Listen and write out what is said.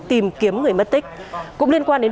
tìm kiếm người mất tích cũng liên quan đến